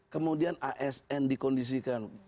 kemudian asn dikondisikan